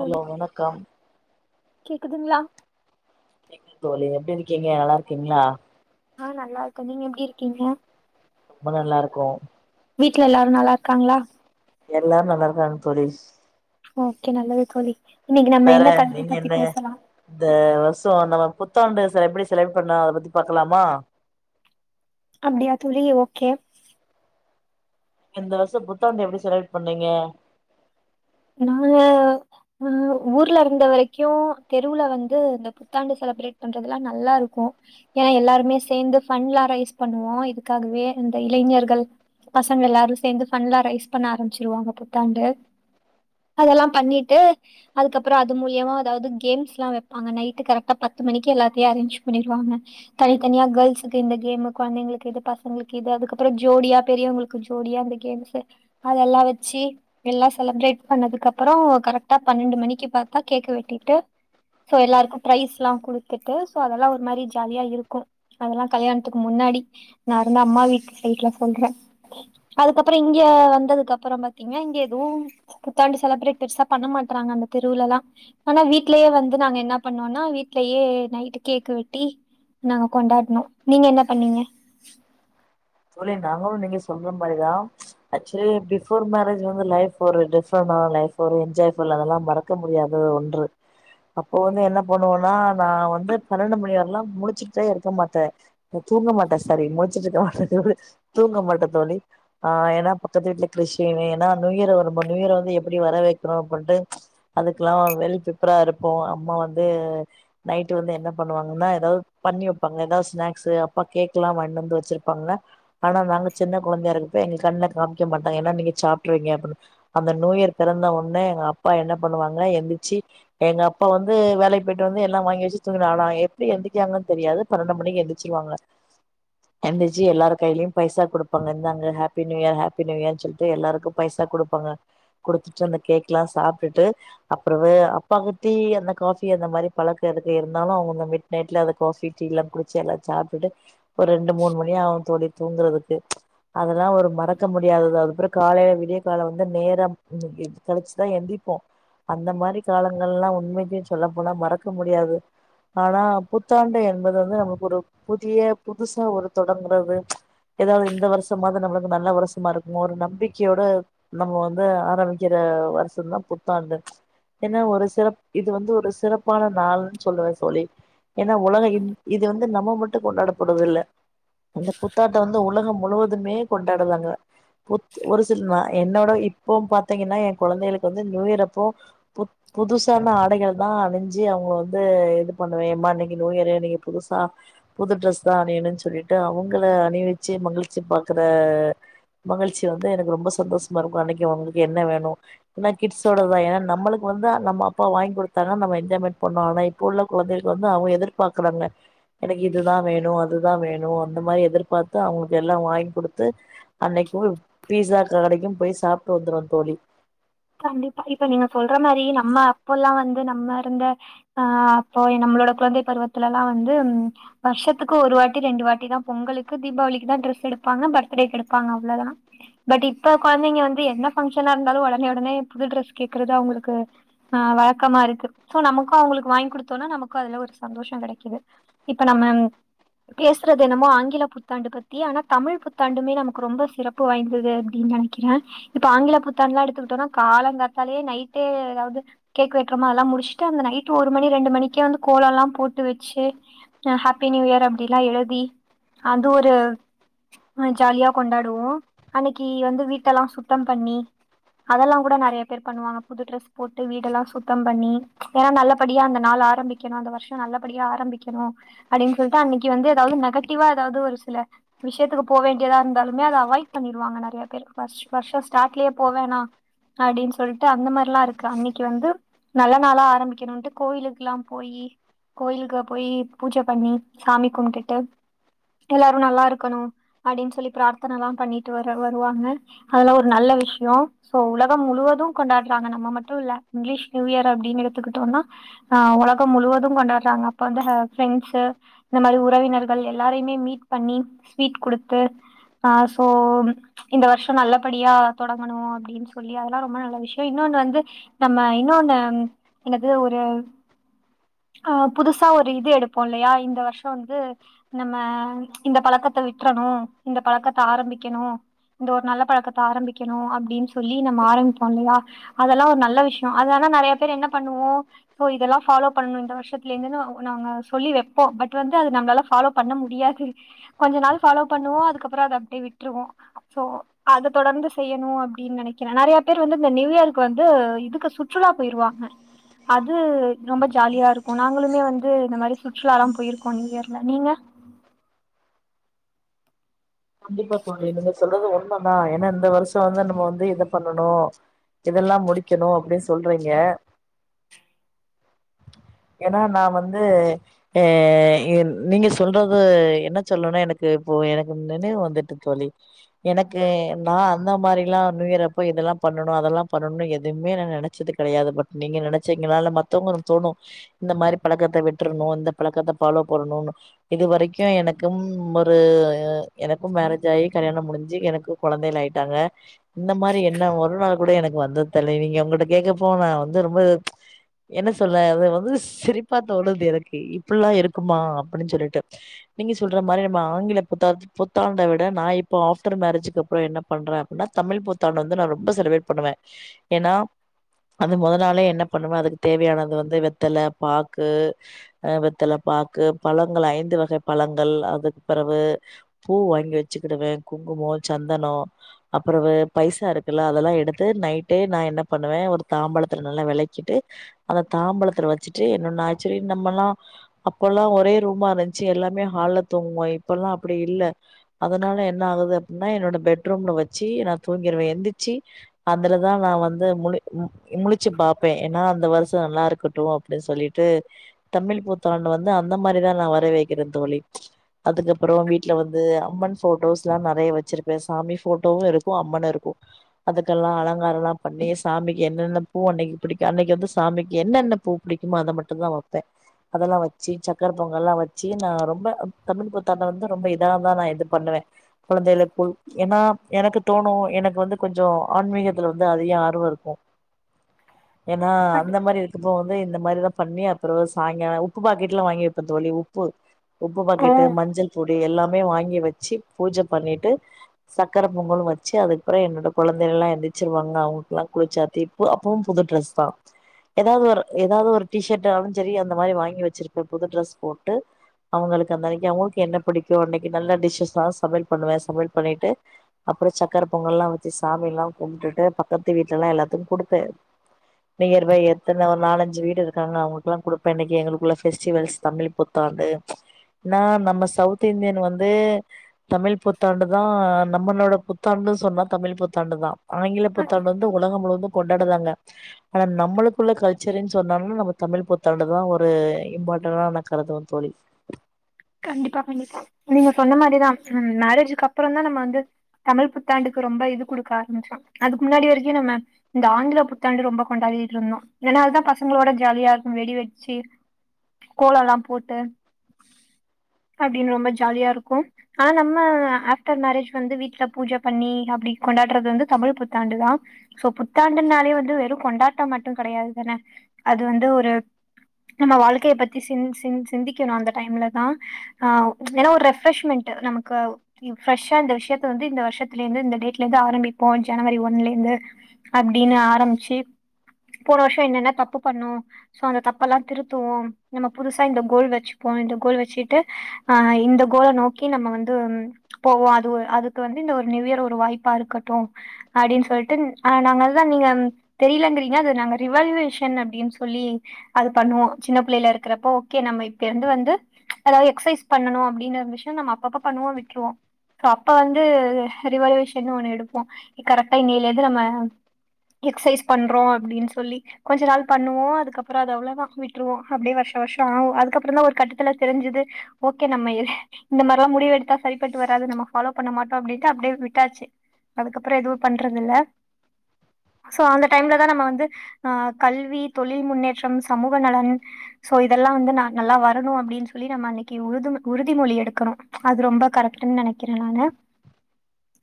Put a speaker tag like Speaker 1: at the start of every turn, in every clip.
Speaker 1: Hello வணக்கம்
Speaker 2: கேக்குதுங்ளா
Speaker 1: தோழி எப்டி இருக்கீங்க நல்லாருக்கீங்ளா
Speaker 2: ஆ நல்லாருக்கோ நீங்க எப்டி இருக்கீங்க
Speaker 1: ரொம்ப நல்லாருக்கோ
Speaker 2: வீட்ல எல்லாரு நல்லாருக்காங்களா
Speaker 1: எல்லாரு நல்லாருக்காங்க தோழி
Speaker 2: ஓகே நல்லது தோழி இன்னக்கி நம்ம
Speaker 1: வேற
Speaker 2: என்ன தலைப்பு
Speaker 1: நீங்க
Speaker 2: பத்தி
Speaker 1: என்ன
Speaker 2: பேசலா
Speaker 1: இந்த வருஷோ நம்ம புத்தாண்டு செலிப்ரேட் [unintelligible] அத பத்தி பாக்கலாமா
Speaker 2: அப்டியா தோழி ஓகே
Speaker 1: இந்த வருஷோ புத்தாண்டு எப்டி செலிப்ரேட் பண்ணீங்க
Speaker 2: நாங்க ம் ஊர்ல இருந்த வரைக்கு தெருவுல வந்து இந்த புத்தாண்டு செலிப்ரேட் பண்றதுல்லா நல்லா இருக்கு ஏன்னா எல்லாருமே சேந்து ஃபன்ட்லா ரைஸ் பண்ணுவோ இதுக்காகவே இந்த இளைஞர்கள் பசங்க எல்லாரு சேந்து ஃபன்ட்லா ரைஸ் பண்ண ஆரம்பச்சிருவாங்க புத்தாண்டு அதெல்லா பண்ணிட்டு அதுக்கப்றோ அது மூலியமா அதாவது கேம்ஸ் எல்லா வைப்பாங்க நைட் கரெக்டா பத்து மணிக்கு எல்லாத்தையு அரேஞ்ச் பண்ணிருவாங்க தனித்தனியா கேள்ஸ்சுக்கு இந்த கேமு கொழந்தைங்களுக்கு இது பசங்களுக்கு இது அதுக்கப்றோ ஜோடியா பெரியவங்களு க்கு ஜோடியா அந்த கேம்ஸ்சு அதெல்லா வெச்சு எல்லா செலிப்ரேட் பண்ணதுக்கப்றோ கரெக்டா பன்னெண்டு மணிக்கு பாத்தா கேக்க வெட்டிட்டு சோ எல்லார்க்கு ப்ரைஸ் எல்லா குடுத்துட்டு சோ அதெல்லா ஒரு மாரி ஜாலியா இருக்கு அதெல்லா கல்யாணத்துக்கு முன்னாடி நா இருந்த அம்மா வீட்டு சைட்டுல சொல்றே அதுக்கப்றோ இங்க வந்ததுக்கு அப்றோ பாத்தீங்க இங்க எதுவு புத்தாண்டு செலிப்ரேட் பெருசா பண்ண மாட்றாங்க அந்த தெருவுல எல்லா ஆனா வீட்லயே வந்து நாங்க என்ன பண்ணோன்னா வீட்லயே நைட்டு கேக்கு வெட்டி நாங்க கொண்டாட்னோ நீங்க என்ன பண்ணீங்க
Speaker 1: தோழி நாங்களு நீங்க சொல்ற மாரிதா ஆக்சுலி பிஃபோர் மேரேஜ் வந்து லைஃப் ஒரு டிஃப்ரெண்டான லைஃப் ஒரு என்ஜாய் ஃபுல் அதெல்லா மறக் க்க முடியாத ஒன்று அப்போ வந்து என்ன பண்ணுவன்னா நா வந்து பன்னெண்டு மணி வரையெல்லா முழிச்சிட்டே இருக்க மாட்டே நா தூங்க மாட்ட சாரி முழிச்சுட்டு இருக்க மாட்ட தூங்க மாட்டே தோழி ஆ ஏன்னா பக்கத்து வீட்ல கிறிஸ்டினு ஏன்னா நியூயர் வரும்போ நியூயர் வந்து எப்டி வர வேக்கணு அப்டின்ட்டு அதுக்குள்ளா வெல் ஃபிரிப்பேறா இருப்போ அம்மா வந்து நைட் வந்து என்ன பண்ணுவாங்கன்னா எதாவது பண்ணி வைப்பாங்க எதாவது ஸ்நாக்ஸ்சு அப்பா கேக் எல்லா வாங்ன்னு வந்து வெச்சிருப்பாங்கன்னா ஆனா நாங்க சின்ன கொழந்தையா இருக்கப்ப எங்க கண்ல காம்க்க மாட்டாங்க ஏன்னா நீங்க சாப்ட்ருவீங்க அப்டின்னு அந்த நியூ இயர் பொறந்த ஒட்னே எங்க அப்பா என்ன பண்ணுவாங்க எந்திச்சு எங்க அப்பா வந்து வேலைக்கு போயிட்டு வந்து எல்லா வாங்கி வெச்சு தூங்கினாரு ஆனா எப்டி எந்திக்காங்கன்னு தெரியாது பன்னென்டு மணிக்கு எந்திரிச்சிருவாங்க எந்திச்சு எல்லாரு கைலயு பைசா குடுப்பாங்க இருந்தாங்க ஹாப்பி நியூயர் ஹாப்பி நியூயர்ன்னு சொல்ட்டு எல்லாருக்கு பைசா குடுப்பாங்க குடுத்துட்டு அந்த கேக் எல்லா சாப்ட்டுட்டு அப்றோ வே அப்பாக்கு டீ அந்த காபி அந்த மாரி பழக்க இருக்கு இருந்தாலு அவங்க மிட் நைட்ல அந்த காஃபி டீ எல்லா குடிச்சு எல்லா சாப்ட்டுட்டு ஒரு ரெண்டு மூணு மணி ஆவு தோழி தூங்கறதுக்கு அதெல்லா ஒரு மறக்க முடி முடியாதது அதுக்கப்றோ காலைல விடிய காலை வந்து நேரம் கழிச்சுதா எந்திரிப்போ அந்த மாரி காலங்கள்ல்லா உண்மைக்கே சொல்ல போனா மறக்க முடியாது ஆனா புத்தாண்டு என்பது வந்து நமக்கு ஒரு புதிய புதுசா ஒரு தொடங்குறது எதாவது இந்த வருஷமாவது நம்மளுக்கு நல்ல வருஷமா இருக்கணு ஒரு நம்பிக்கையோட நம்ம வந்து ஆரம்பிக்கிற வருஷந்தா புத்தாண்டு ஏனா ஒரு சிற இது வந்து ஒரு சிறப்பான நாள்ன்னு சொல்லுவே தோழி ஏன்னா உலக இந் இது வந்து நம்ம மட்டு கொண்டாடப்போறதில்ல அந்த பு புத்தாட்ட வந்து உலகம் முழுவதுமே கொண்டாடுவாங்க புத் ஒரு சில நா என்னோட இப்போ பாத்தீங்கன்னா ஏ கொழந்தங்களுக்கு வந்து நியூயர் அப்போ புத் புதுசான ஆடைகள்தா அணுஞ்சு அவ்ங்க வந்து இது பண்ணுவே எம்மா இன்னக்கி நூயரு நீங்க புதுசா புது ட்ரெஸ்தா அணியனு சொல்லிட்டு அவுங்கள அணிவிச்சு மகிழ்ச்சி பாக்குற மகிழ்ச்சி வந்து எனக்கு ரொம்ப சந்தோஷமா இருக்கு அன்னக்கி உங்களுக்கு என்ன வேணு ஏனா கிட்ஸோடதா ஏனா நம்மளுக்கு வந்து நம்ம அப் ப்பா வாங்கி குடுத்தாங்க நம்ம என்ஜாய்மென்ட் பண்ணோ ஆனா இப்ப உள்ள கொழந்தெங்களுக்கு வந்து அவ்ங்க எதிர்பாக்கறாங்க எனக்கு இதுதா வேணு அதுதா வேணு அந்த மாரி எதிர்பாத்து அவ்ங்களுக்கு எல்லா வாங்கி குடுத்து அன்னைக்கூ பீஸா க கடைக்கு போய் சாப்ட்டு வந்துருவோ தோழி
Speaker 2: கண்டிப்பா இப்ப நீங்க சொல்ற மாரி நம்ம அப்போல்லா வந்து நம்ம இருந்த ஆ அப்போ எ நம்மளோட குழந்தை பருவத்துலல்லா வந்து வருஷத்துக்கு ஒரு வாட்டி ரெண்டு வாட்டிதா பொங்கலுக்கு தீபாவளிக்கு தா ட்ரெஸ் எடுப்பாங்க பர்த்துடேக்கு எடுப்பாங்க அவ்ளோதா. பட் இப்ப கொழந்தைங்க வந்து என்ன ஃபங்க்ஷனா இருந்தாலு ஒடனே ஒடனே புது ட்ரெஸ் கேக்குறது அவ்ங்களுக்கு ஆ வழக்கமா இருக்கு சோ நமக்கு அவ்ங்களுக்கு வாங்கி குடுத்தோனா நமக்கு அதுல ஒரு சந்தோஷோ கெடக்கிது. இப்ப நம்ம பேசுறது என்னமோ ஆங்கில புத்தாண்டு பத்தி ஆனா தமிழ் புத்தாண்டுமே நமக்கு ரொம்ப சிறப் பு வாய்ந்தது அப்டின்னு நெனக்கிற இப்ப ஆங்கில புத்தாண்டெலா எடுத்துக் டோனா காலங்காத்தாலயே நைட்டே எதாவ்து கேக் வெட்றோமா அதெல்லா முடுச்சுட்டு அந்த நைட் ஒரு மணி ரெண்டு மணிக்கே வந்து கோலோல்லா போட்டு வெச்சு அ ஹாப்பி நியூ இயர் அப்டில்லா எழுதி அது ஒரு அ ஜாலியா கொண்டாடுவோ அன்னெக்கி வந்து வீட்டெல்லா சுத்தம் பண்ணி அதெல்லா கூட நெறையா பேர் பண்ணுவாங்க புது ட்ரெஸ் போட்டு வீடெல்லா சுத்தம் பண்ணி ஏனா நல்லபடியா அந்த நாள் ஆரம்பி க்கெணு அந்த வருஷொ நல்லபடியா ஆரம்பிக்கெணு அப்டின்னு சொல்லிட்டு அன்னெக்கி வந்து எதாவது நெகட்டிவ்வா எதாவது ஒரு சில விஷயத்துக்கு போ வேண்டியதா இருந்தாலுமே அத அவாய்ட் பண்ணிருவாங்க நெறையா பேர் வர்ஷ் வருஷொ ஸ்டார்ட்லயே போ வேண் ணா அப்டின்னு சொல்லிட்டு அந்த மாரிலா இருக்கு அன்னெக்கி வந்து நல்ல நாளா ஆரம்பிக்கணுன்ட்டு கோயிலுக்குல்லா போயி கோயிலுக்கா போயி பூஜ பண்ணி சாமி கும்ட்டுட்டு எல்லாரு நல்லா இருக்கணு அப்டின்னு சொல்லி ப்ரார்த்தன எல்லா பண்ணிட்டு வரு வருவாங்க அதெல்லா ஒரு நல்ல விஷயோ சோ உலகம் முழுவதும் கொண்டாட்றாங்க நம்ம மட்டு இல்ல இங்கிலீஷ் நியூ இயர் அப்டின்னு எடுத்துக்கிட்டோனா ஆ உலகம் முழுவதும் கொண்டாட்றாங்க அப்ப அந்த ஹே ஃப்ரெண்ட்ஸ்ஸு இந்த மாரி உறவினர்கள் எல்லாரையுமே மீட் பண்ணி ஸ்வீட் குடுத்து ஆ சோ இந்த வருஷொ நல்லபடியா தொடங்கணு அ ப்டின் சொல்லி அதெல்லா ரொம்ப நல்ல விஷயொ இன்னொன்னு வந்து நம்ம இன்னொன்னு என்னது ஒரு ஆ புதுசா ஒரு இது எடுப்போ இல்லயா இந்த வருஷோ வந்து நம்ம இந்த பழக்கத்த விட்றணு இந்த பழக்கத்த ஆரம்பிக்கணு இந்த ஒரு நல்ல பழக்கத்த ஆரம்பிக்கணு அப்டின்னு சொல் சொல்லி நம்ம ஆரம்பிப்போ இல்லயா அதெல்லா ஒரு நல்ல விஷயொ அது ஆனா நறையா பேர் என்ன பண்ணுவோ சோ இதெல்லா ஃபாலோ பண்ணணு இந்த வருஷத்துல இருந்து நொ நாங்க சொல்லி வைப்போ பட் வந்து அது நம்மளால ஃபாலோ பண்ண முடியாது கொஞ்ச நாள் ஃபாலோ பண்ணுவோ அதுக்கப்பறோ அத அப்டியே விட்டுருவோ சோ அத தொடர்ந்து செய்யணு அப் ப்டின் நெனக்கிறே நெறயா பேர் வந்து இந்த நியூ இயர்க்கு வந்து இதுக்கு சுற்றுலா போய்ருவாங்க அது ரொம்ப ஜாலியாருக்கு நாங்களுமே வந்து இந்த மாரி சுற்றுலால்லா போயிருக்கோ நியூ இயர்ல நீங்க
Speaker 1: கண்டிப்பா தோழி நீங்க சொல்றது உண்மதா ஏன்னா இந்த வருஷோ வந்து நம்ம வந்து இத பண்ணணு இதெல்லா முடிக்கணு அப்படினு சொல்றீங்க ஏனா நா வந்து எ நீங்க சொல்றது என்ன சொல்லன்னு எனக்கு இப்போ எனக்கு நினைவு வந்துட்டு தோழி எனக்கு நா அந்த மாரிலா நியூயரப்ப இதெல்லா பண்ணனு அதெல்லா பண்ணணு எதுமே நா நென ச்சது கெடயாது பட் நீங்க நெனச்சிங்லா இல்ல மத்தவங்களுக்கு தோணு இந்த மாரி பழக்கத்த விட்டுற்ணு இந்த பழக்கத்த ஃபாலோ பண்ணணு இது வரைக்கு எனக்கும் ஒரு எனக்கு மேரேஜ் ஆயி கல்யாணோ முடிஞ்சு எனக்கு கொழந்தைல்லாய்ட்டாங்க இந்த மாரி எண்ணோ ஒரு நாள் கூட எனக்கு வந்ததெலவிங்க ஒங்கிட்ட கேக்கப்போ நாவந்து ரொம்ப என்ன சொல்ல அது வந்து சிரிப்பா தோணுது எனக்கு இப்டிலா இருக்குமா அப்டின் சொல்லிட்டு நீங்க சொல்ற மாரி நம்ம ஆங்கில புத்தாத் புத்தாண்ட விட நா இப்போ ஆஃப்டர் மேரேஜுக்கப்றோ என்ன பண்றே அப்புனா தமிழ் புத்தாண்ட வந்து நா ரொம்ப செலிப்ரேட் பண்ணுவே ஏன்னா அது மொத நாளே என்ன பண்ணுவே அதுக்கு தேவயானது வந்து வெத்தல பாக்கு ஆ வெத்தல பாக்கு பழங்கள் ஐந்து வகை பழங்கள் அதுக்கு பெறவு பூ வாங்கி வச்சுக்கிடுவே குங்குமோ ‌சந்தனோ அப்புறவு பைசா இருக்குல்ல அதெல்லா எடுத்து நைட்டே நா என்ன பண்ணுவே ஒரு தாம்பளத்துல நல்லா வெளக்கிட்டு அந்த தாம்பளத்துல வச்சுட்டு என்னுனாச்சு சேரி நம்மல்லா அப்போல்லா ஒரே ரூமா இருந்துச்சு எல்லாமே ஹால்ல தூங்குவோ இப்பல்லா அப்டி இல்ல அதனால என்ன ஆகுது அப்டின்னா என்னோட பெட்ரூம்ல வச்சு நா தூங்கிருவே எந்திச்சி அதுலதா நா வந்து முழி முழிச்சு பாப்பே ஏனா அந்த வர்ஷோ நல்லாருக்கட்டு க்டு சொல்லிட்டு தமிழ் புத்தாண்டு வந்து அந்த மாரிதா நா வரவேக்கிறே தோழி அதுக்கப்றோ வீட்ல வந்து அம்மன் ஃபோட்டோஸ்ல்லா நறைய வச்சிருப்பே சாமி ஃபோட்டோவு இருக்கு அம்மனு இருக்கு அதுக்கல்லா அலங்காரோலா பண்ணி சாமிக்கு என்னென்ன பூ அன்னக்கி புடிக்கு அன்னிக்கி வந்து சாமிக்கு என்னென்ன பூ புடிக்குமோ அத மட்டு தா வப்பே அதெல்லா வச்சி சக்கர பொங்கல்லா வச்சி நா ரொம்ப தமிழ் புத்தாண்ட வந்து ரொம்ப இதா தா நா இது பண்ணுவே கொழந்தைல போய் ஏனா எனக்கு தோணு எனக்கு வந்து கொஞ்சோ ஆன்மீகத்துல வந்து அதிக ஆர்வோருக்கு ஏனா அந்த மாரி இருக்கப்ப வந் து இந்த மாரிதா பண்ணி அப்றோ சாய்ங்காலோ உப்பு பாக்கெட்லா வாங்கி வப்பே தோழி உப்பு உப்பு பாக்கெட்டு மஞ்சள் பொடி எல்லாமே வாங்கி வச்சு பூஜ பண்ணிட்டு சக்கர பொங்கலு வச்சு அதுக்கப்றோ என்னோட கொழந்தைகள்ல்லா எந்திருச்சிருவாங்க. அவுங்களுக்கெல்லா குளிச்சாத்தி ப்போ அப்பவு புது ட்ரெஸ் தா எதாவ்து ஒரு எதாவது ஒரு டீஷர்ட் ஆனாலு சேரிஅந்த மாரி வாங்கி வச்சிருப்பே புது ட்ரெஸ் போட்டு அவுங்களுக்கு அந்தன்னக்கி அவுங்களுக்கு என்ன புடிக்கு அன்னக்கி நல்ல டிஷஸ்ஸா சமையல் பண்ணுவே சமையல் பண்ணிட்டு அப்றோ சக்கர பொங்கல்லா வச்சு சாமில்லா கும்ட்டுட்டு பக்கத்து வீட்லல்லா எல்லாத்துக்கு குடுத்து நியர்பை எத்தன ஒரு நாலு அ ஞ்சு வீடு இருக்காங்க அவுங்களுக்கெல்லா குடுப்பே இன்னக்கி எங்களுக்குள்ள ஃபெஸ்டிவல்ஸ் தமிழ் புத்தாண்டு நா நம்ம சவுத் இந்தியன் வந்து தமிழ் புத்தாண்டு தா நம்மளோட புத்தாண்டு சொன்னா தமிழ் புத்தாண்டுதா ஆங்கில புத்தாண்டு வந்து ஒலகோ முழுவது கொண்டாடுறாங்க ஆனா நம்மளுக்குள்ள கல்ச்சரின்ஸ் சொன்னாங்ன்னா நம்ம தமிழ் புத்தாண்டு தா ஒரு இம்பார்ட்டானா நா கருதுவே தோழி
Speaker 2: கண்டிப்பா கண்டிப்பா நீங்க சொன்ன மாரிதா மேரேஜுக்கப்றோ தா நம்ம வந்து தமிழ் புத்தாண்டுக்கு ரொம்ப இது குடுக்க ஆரம்ச்சோ அதுக்கு முன்னாடி வரைக்கு நம்ம இந்த ஆங்கில புத்தாண்டு ரொம்ப கொண்டாடிட்ருந்தோ இதனால தா பசங்களோட ஜாலியா இருக்குன் வெடி வெடிச்சு கோலோல்லா போட்டு அப்டின் ரொம்ப ஜாலியாருக்கு ஆ நம்ம ஆஃப்டர் மேரேஜ் வந்து வீட்ல பூஜ பண்ணி அப்டி கொண்டாடுறது வந்து தமிழ் புத்தாண்டுதா சோ புத்தாண்டுனாலயே வந்து வெறு கொண்டாட்டம் மட்டு கடையாது தான அது வந்து ஒரு நம்ம வாழ்க்கைய பத்தி சிந் சிந் சிந்திக்கணு அந்த டைம்ல தா ஆ ஏன்னா ஒரு ரெஃரஷ்மென்ட் நமக்கு டம் ப்ரெஷ்ஷா இந்த விஷயத்த வந்து இந்த வருஷத்துல இருந்து இந்த டேட்ல இருந்து ஆரம்பிப்போ ஜனவரி ஒன்லே இருந்து அப்டின்னு ஆரம்பிச்சு போன வருஷம் என்னென்ன தப்பு பண்ணோ சோ அந்த தப்பெல்லா திருத்துவோ நம்ம புதுசா இந்த கோல் வச்சுப்போ இந்த கோல் வச்சு ட்டு ஆ இந்த கோல நோக்கி நம்ம வந்து போவோ அது ஒரு அதுக்கு வந்து இந்த ஒரு நியூ இயர் ஒரு வாய்ப்பா இருக்கட்டு அப்டின்னு சொல்ட்டு அ நாங்கதா நீங்க தெரியலங்கிறீங்க அது நாங்க ரிவல்யுவேஷன் அப்டின்னு சொல்லி அது பண்ணுவோ சின்ன பிள்ளைல இருக்கிறப்ப ஓகே நம்ம இப்ப இருந்து வந்து அதாது எக்சைஸ் பண்ணணு அப்படீன்னு இருந்துச்சுன்னா நம்ம அப்பப்ப பண்ணுவோ விட்ருவோ சோ அப்ப வந்து ரிவல்யூவேஷன் ஒண்ணு எடுப்போ கரெக்டா இன்னையிலந்து நம்ம எக்ஸசைஸ் பண்றோ அப்டின்னு சொல்லி கொஞ்ச நாள் பண்ணுவோ அதுக்கப்புற அது அவ்ளோ தா விட்ருவோ அப்டியே வருஷ வருஷம் ஆகு அதுக்கப்புற தா ஒரு கட்டத்துல தெரிஞ்சது ஓகே நம்ம இந்த மாறில்லா முடிவு எடுத்தா சரிப்பட்டு வராது நம்ம ஃபாலோ பண்ண மாட்டோ அப்டின்ட்டு அப்டியே விட்டாச்சு அதுக்கப்புற எதுவு பண்றது இல்ல சோ அந்த டைம்ல தா நம்ம வந்து அ கல்வி தொழில் முன்னேற்றம் சமூக நலன் சோ இதெல்லா வந்து நாங்கெல்லா வரணு அப்டின்னு சொல் தோழி நம்ம அன்னைக்கு உறுது மொ உறுதி மொழி எடுக்கணு அது ரொம்ப கரெக்டன்னு நனைக்கிற நானு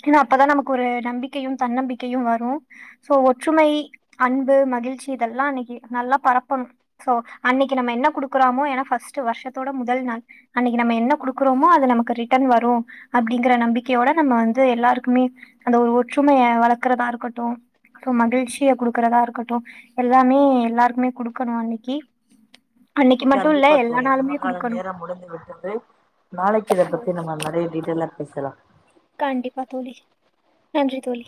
Speaker 2: இன்னு அப்பதா நமக்கு ஒரு நம்பிக்கையு தன்னம்பிக்கையு வரு சோ ஒற்றுமை அன்பு மகிழ்ச்சி இதெல்லா அன்னைக்கு நல்லா பரப்பணு சோ அன்னைக்கு நம்ம என்ன குடுக்குறமோ ஏன்னா ஃபர்ஸ்ட்டு வருஷத்தோட முதல் நாள் அன்னைக்கி நம்ம என்ன குடுக்குறோமோ அது நமக்கு ரிட்டர்ன் வரு அப்டிங்கிற நம்பிக்கையோட நம்ம வந்து எல்லாருக்குமே அந்த ஒரு ஒற்றுமைய வளர்க்குறதா இருக்கட்டு அப்றோ மகிழ்ச்சிய குடுக்கறதா இருக்கட்டு எல்லாமே எல்லாருக்குமே குடுக்கணு அன்னைக்கி அன்னைக்கி மட்டு இல்ல எல்லா நாளுமே
Speaker 1: கால
Speaker 2: கொடுக்கணும்
Speaker 1: நேரம் முடிந்து விட்டது நாளைக்கு இத பத்தி நம்ம நறைய டீட்டெய்லா பேசலா
Speaker 2: கண்டிப்பா தோழி நன்றி தோழி